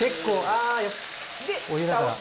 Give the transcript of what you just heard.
あお湯だから。